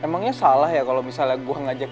emangnya salah ya kalau misalnya gue ngajak